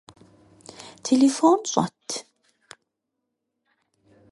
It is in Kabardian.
Телефон щӏэт?